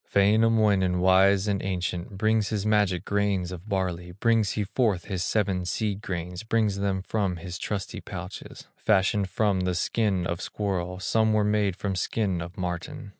Wainamoinen, wise and ancient, Brings his magic grains of barley, Brings he forth his seven seed grains, Brings them from his trusty pouches, Fashioned from the skin of squirrel, Some were made from skin of marten.